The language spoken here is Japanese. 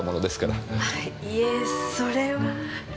いえそれは。